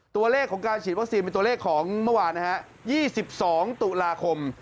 ตัวเลขของการฉีดวัคซีนเป็นตัวเลขของเมื่อวานนะฮะ๒๒ตุลาคม